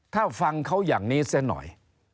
ถ้าฟังเขาอย่างนี้เสียหน่อย